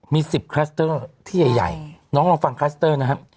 มี๑๐คลัสเตอร์ที่ใหญ่น้องลองฟังคลัสเตอร์นะครับ